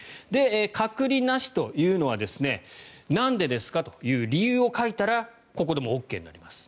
隔離なしというのはなんでですかという理由を書いたらＯＫになります。